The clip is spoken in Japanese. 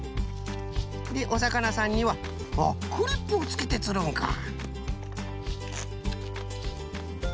でおさかなさんにはクリップをつけてつるんか。